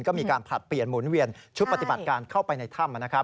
ก็มีการผลัดเปลี่ยนหมุนเวียนชุดปฏิบัติการเข้าไปในถ้ำ